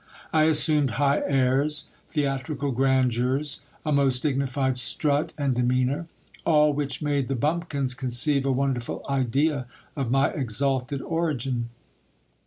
I assumed high airs, theatrical grandeurs, a most dignified strut and demeanour ; all which made the bumpkins conceive a wonderful idea of my exalted origin.